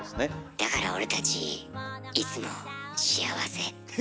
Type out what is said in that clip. だから俺たちいつも幸せ。